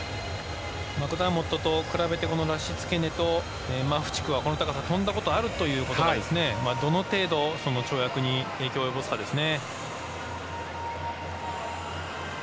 マクダーモットと比べてラシツケネとマフチフはこの高さを跳んだことがあるというのがどの程度、跳躍に影響を及ぼすかですね。